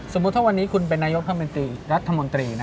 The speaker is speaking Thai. สมมุติถ้าวันนี้คุณเป็นนายกรัฐมนตรี